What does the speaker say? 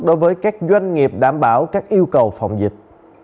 đối với các doanh nghiệp đảm bảo các yêu cầu phòng dịch